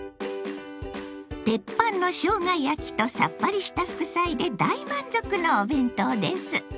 テッパンのしょうが焼きとさっぱりした副菜で大満足のお弁当です。